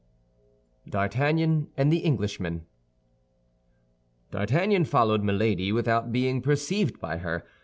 D'ARTAGNAN AND THE ENGLISHMAN D'Artagnan followed Milady without being perceived by her.